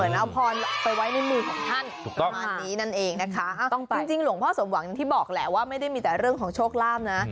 เหมือนเอาพรไปไว้ในมือของท่าน